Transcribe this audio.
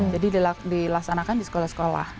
jadi dilaksanakan di sekolah sekolah